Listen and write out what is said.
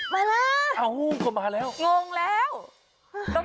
มาแล้วเอ้าก็มาแล้วงงแล้ว